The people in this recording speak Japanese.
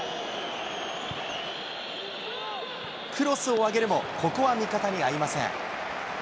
クロスを上げるも、ここは味方に合いません。